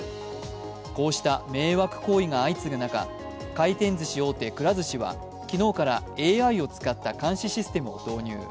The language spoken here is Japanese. こうした迷惑行為が相次ぐ中、回転ずし大手・くら寿司は昨日からＡＩを使った監視システムを導入。